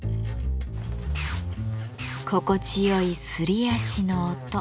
心地よいすり足の音。